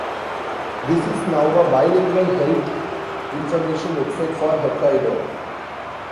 The is now a bilingual health information website for Hokkaido.